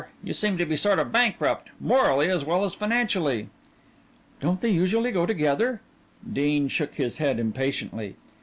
You seem to be sort of bankrupt morally as well as financially." "Don't they usually go together?" Dean shook his head impatiently.